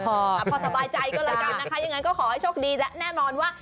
พอสบายใจก็แล้วกันนะคะยังไงก็ขอให้โชคดีและแน่นอนว่า